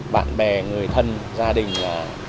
bạn bè người thân gia đình là